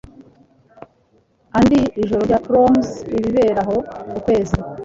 Andi ijoro ryo Proms ibibera aho Ukwezi